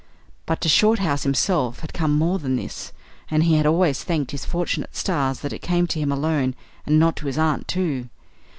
But to Shorthouse himself had come more than this, and he has always thanked his fortunate stars that it came to him alone and not to his aunt too.